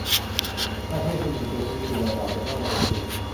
ด้านผู้ชุมนุมเสียชีวิตสี่นาย บาดเจ็บมากกว่าเจ็ดสิบ